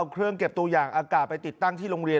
ซึ่งบางต้นเนี่ย